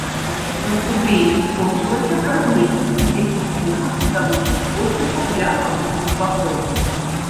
Наступленне скончылася праз месяц без якіх-небудзь відавочных поспехаў для абодвух бакоў.